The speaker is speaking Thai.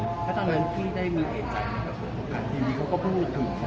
แล้วตอนนั้นพี่จะได้มีเอกสารที่เขาก็พูดถึง